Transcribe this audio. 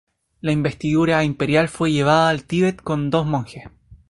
La investidura imperial fue llevada al Tíbet con dos monjes.